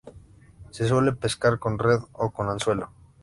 Se suele pescar con red o con anzuelo.